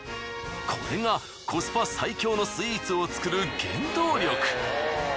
これがコスパ最強のスイーツを作る原動力。